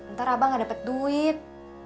ntar abang nggak dapet duit